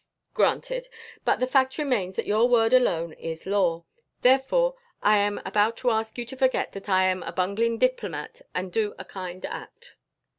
"Granted. But the fact remains that your word alone is law. Therefore I am about to ask you to forget that I am a bungling diplomat and do a kind act.